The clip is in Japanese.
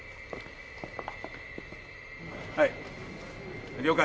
はい了解。